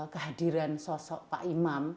kehadiran sosok pak imam